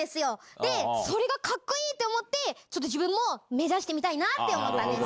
で、それがかっこいいと思って、ちょっと自分も目指してみたいなと思ったんです。